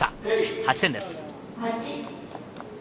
８点です。